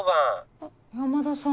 あっ山田さん。